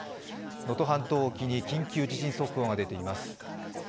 能登半島沖に緊急地震速報が出ています。